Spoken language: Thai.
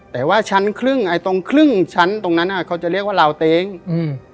แต่ว่าชั้นครึ่งไอ้ตรงครึ่งชั้นตรงนั้นอ่ะเขาจะเรียกว่าลาวเต้งอืม